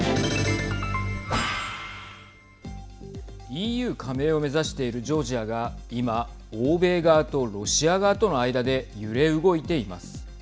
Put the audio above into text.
ＥＵ加盟を目指しているジョージアが今、欧米側とロシア側との間で揺れ動いています。